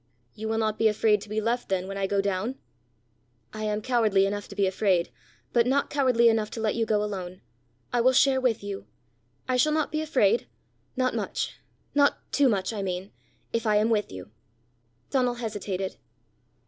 "You will not be afraid to be left then when I go down?" "I am cowardly enough to be afraid, but not cowardly enough to let you go alone. I will share with you. I shall not be afraid not much not too much, I mean if I am with you." Donal hesitated.